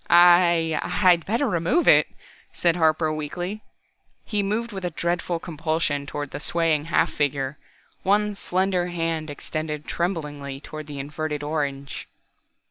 "I I'd better remove it," said Harper weakly. He moved with a dreadful compulsion toward the swaying half figure, one slender hand extended tremblingly toward the inverted orange.